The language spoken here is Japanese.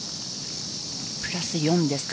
プラス４ですか。